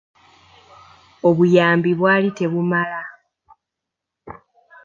Obuyambi bwali tebumala.